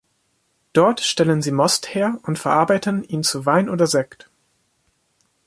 Dort stellen sie Most her und verarbeiten ihn zu Wein oder Sekt.